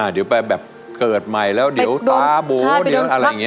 เดี๋ยวไปแบบเกิดใหม่แล้วเดี๋ยวตาบูเดี๋ยวอะไรอย่างนี้